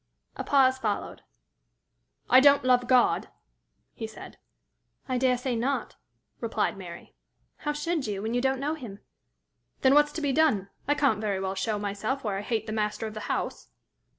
A pause followed. "I don't love God," he said. "I dare say not," replied Mary. "How should you, when you don't know him?" "Then what's to be done? I can't very well show myself where I hate the master of the house!"